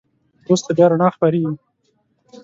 وروسته بیا رڼا خپرېږي.